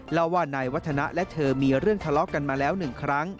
เล่าว่านายวัฒนะและเธอมีเรื่องทะเลาะกันมาแล้ว๑ครั้ง